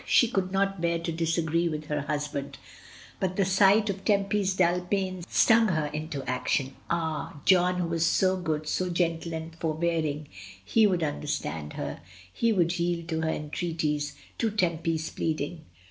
She could not bear to disagree with her husband, but the sight 1 6 MRS. DYMOND. of Tempy's dull pain stung her into action. Ah! John who was so good, so gentle and forbearing, he would understand her, he would yield to her entrea ties, to Temp/s pleading.